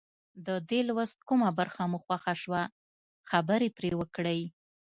د دې لوست کومه برخه مو خوښه شوه خبرې پرې وکړئ.